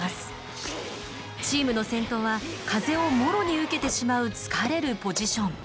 チームの先頭は風をもろに受けてしまう疲れるポジション。